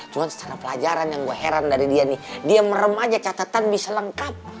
cuma secara pelajaran yang gue heran dari dia nih dia merem aja catatan bisa lengkap